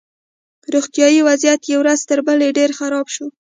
روغتیایي وضعیت یې ورځ تر بلې ډېر خراب شو